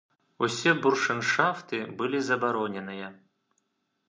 Усе буршэншафты былі забароненыя.